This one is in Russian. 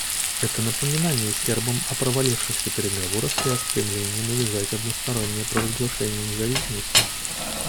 Это напоминание сербам о провалившихся переговорах и о стремлении навязать одностороннее провозглашение независимости.